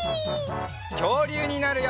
きょうりゅうになるよ！